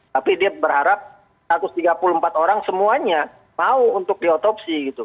tapi dia berharap satu ratus tiga puluh empat orang semuanya mau untuk diotopsi gitu